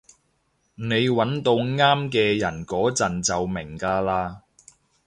你搵到啱嘅人嗰陣就明㗎喇